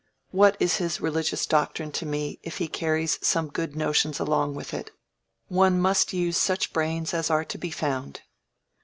"What is his religious doctrine to me, if he carries some good notions along with it? One must use such brains as are to be found."